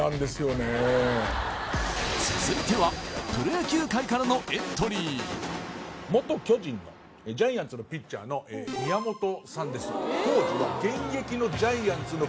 続いてはプロ野球界からのエントリー元巨人のジャイアンツのピッチャーの宮本さんです